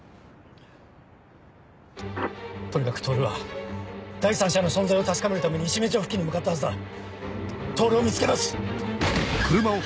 とにかく透は第三者の存在を確かめるために石目町付近に向かったはずだ透を見つけ出す！